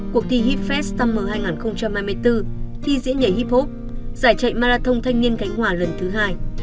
cuộc thi hip fest summer hai nghìn hai mươi bốn thi diễn nhảy hip hop giải chạy marathon thanh niên gánh hòa lần thứ hai